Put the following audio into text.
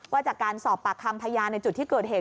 ว่าจากการสอบปากคำพยานในจุดที่เกิดเหตุ